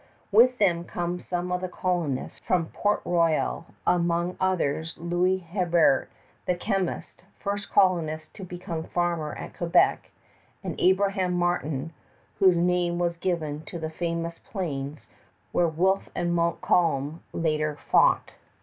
With them come some of the colonists from Port Royal, among others Louis Hebert, the chemist, first colonist to become farmer at Quebec, and Abraham Martin, whose name was given to the famous plains where Wolfe and Montcalm later fought.